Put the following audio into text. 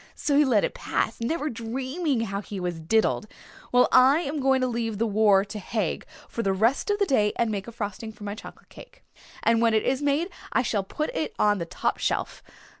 So he let it pass, never dreaming how he was diddled. Well, I am going to leave the war to Haig for the rest of the day and make a frosting for my chocolate cake. And when it is made I shall put it on the top shelf.